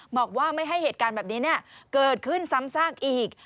บอกว่าไม่ให้เหตุการณ์แบบนี้เกิดขึ้นซ้ำซากอีก